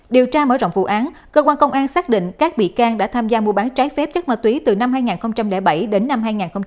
điều tra mở rộng vụ án cơ quan công an xác định các bị can đã tham gia mua bán trái phép chất ma túy từ năm hai nghìn bảy đến năm hai nghìn một mươi ba